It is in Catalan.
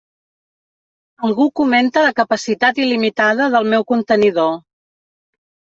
Algú comenta la capacitat il·limitada del meu contenidor.